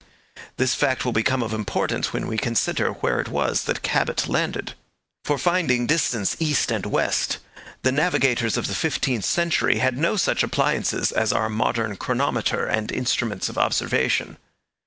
This fact will become of importance when we consider where it was that Cabot landed. For finding distance east and west the navigators of the fifteenth century had no such appliances as our modern chronometer and instruments of observation.